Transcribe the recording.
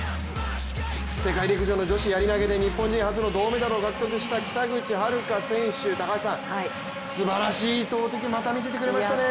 世界陸上の女子やり投で日本人初の銅メダルを獲得した北口榛花選手高橋さん、すばらしい投てきまた見せてくれましたね。